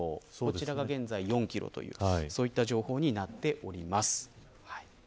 こちらが現在４キロという情報になっています。